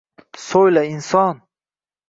«So’yla, inson